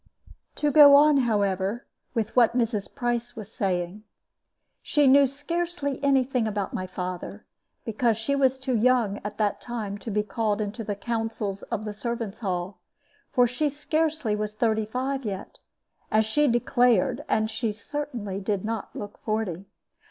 To go on, however, with what Mrs. Price was saying. She knew scarcely any thing about my father, because she was too young at that time to be called into the counsels of the servants' hall, for she scarcely was thirty five yet, as she declared, and she certainly did not look forty.